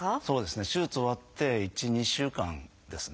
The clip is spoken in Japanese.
手術終わって１２週間ですね。